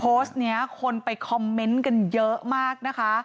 โพสต์นี้คนไปคอมเมนต์กันเยอะมากนะคะ